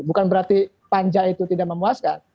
bukan berarti panja itu tidak memuaskan